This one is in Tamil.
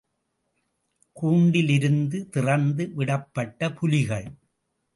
கூண்டிலிருந்து திறந்து விடப்பட்ட புலிகள்!